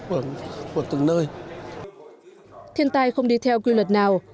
thiên tai không đi theo quy luật nào